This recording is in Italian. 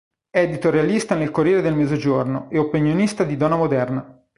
È editorialista del "Corriere del Mezzogiorno" e opinionista di "Donna Moderna".